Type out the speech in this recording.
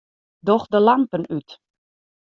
Doch de lampen út.